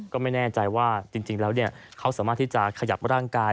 ก็ไม่แน่ใจว่าจริงแล้วเขาสามารถที่จะขยับร่างกาย